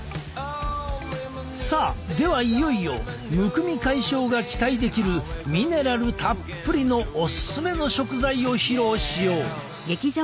さあではいよいよむくみ解消が期待できるミネラルたっぷりのオススメの食材を披露しよう！